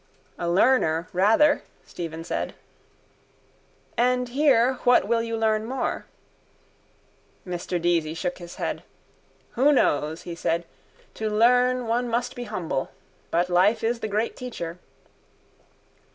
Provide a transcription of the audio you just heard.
—A learner rather, Stephen said. And here what will you learn more? Mr Deasy shook his head. —Who knows? he said. To learn one must be humble. But life is the great teacher.